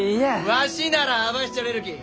わしなら会わせちゃれるき！